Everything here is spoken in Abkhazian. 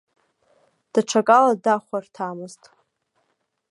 Даҽакала дахәарҭамызт.